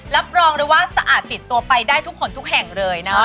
รับรองเลยว่าสะอาดติดตัวไปได้ทุกคนทุกแห่งเลยเนาะ